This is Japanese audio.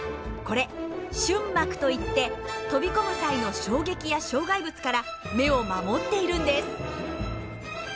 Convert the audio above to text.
これ「瞬膜」といって飛び込む際の衝撃や障害物から目を守っているんです。